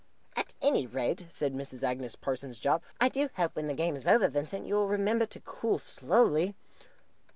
"At any rate," said Mrs. Agnes Parsons Jopp, "I do hope, when the game is over, Vincent, that you will remember to cool slowly."